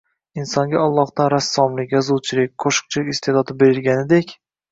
Insonga Ollohdan rassomlik, yozuvchilik, qo‘shiqchilik iste’dodi berilganidek